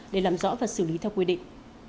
để làm rõ và xử lý theo quy định